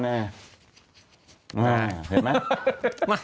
เห็นไหม